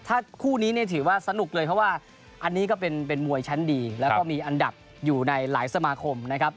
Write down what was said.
ถ้าคู่นี้เนี่ยถือว่าสนุกเลยเพราะว่าอันนี้ก็เป็นมวยชั้นดีแล้วก็มีอันดับอยู่ในหลายสมาคมนะครับ